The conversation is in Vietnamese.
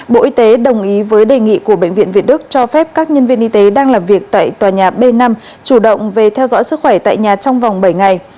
bộ y tế đồng ý với đề nghị của bệnh viện việt đức cho phép các nhân viên y tế đang làm việc tại tòa nhà b năm chủ động về theo dõi sức khỏe tại nhà trong vòng bảy ngày